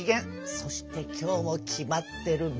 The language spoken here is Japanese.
そして今日も決まってるぼく。